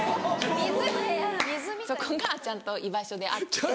そこがちゃんと居場所であって。